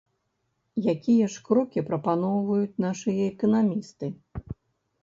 Якія ж крокі прапаноўваюць нашыя эканамісты?